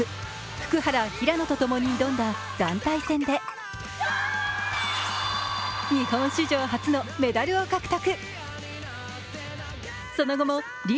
福原・平野とともに挑んだ団体戦で日本史上初のメダルを獲得。